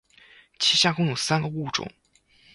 其下共有三个物种。